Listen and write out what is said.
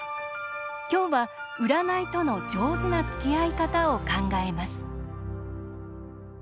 今日は、占いとの上手なつきあい方を考えます。